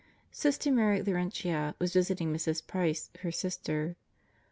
Sister Mary Laurentia was visiting Mrs. Price, her sister.